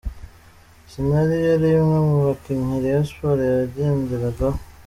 Sina yari imwe mu bakinnyi Rayon Sport yagenderagaho.